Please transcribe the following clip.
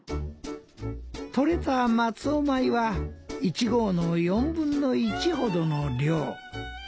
とれた松尾米は１合の４分の１ほどの量。